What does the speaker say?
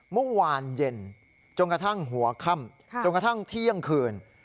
เมื่อวานเย็นจนกระทั่งหัวค่ำจนกระทั่งเที่ยงคืน